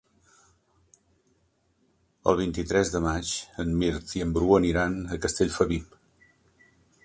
El vint-i-tres de maig en Mirt i en Bru aniran a Castellfabib.